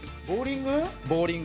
蛍原：ボウリング？